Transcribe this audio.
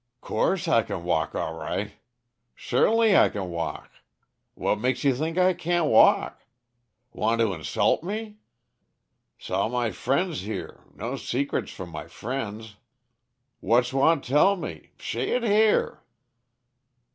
"'Course I c'n walk all righ'. Shertainly I can walk. Wha's makes you think I can't walk? Want to inshult me? 'Sall my friends here no secrets from my friends. Wha's want tell me? Shay it here."